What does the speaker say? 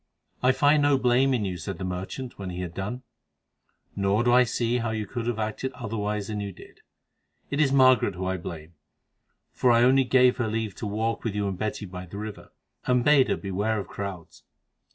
"I find no blame in you," said the merchant when he had done, "nor do I see how you could have acted otherwise than you did. It is Margaret whom I blame, for I only gave her leave to walk with you and Betty by the river, and bade her beware of crowds."